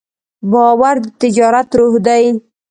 باور د تجارت روح دی.